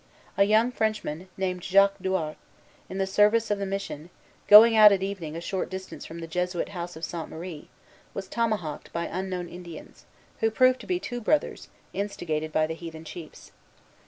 A young Frenchman, named Jacques Douart, in the service of the mission, going out at evening a short distance from the Jesuit house of Sainte Marie, was tomahawked by unknown Indians, who proved to be two brothers, instigated by the heathen chiefs.